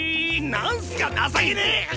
なんすか情けねえ！